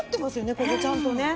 ここちゃんとね。